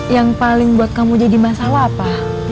yang paling buat kamu jadi masalah apa